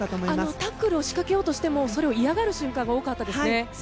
タックルを仕掛けようとしてもそれを嫌がる瞬間が多かったですね。